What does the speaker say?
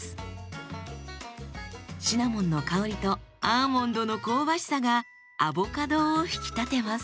シナモンの香りとアーモンドの香ばしさがアボカドを引き立てます。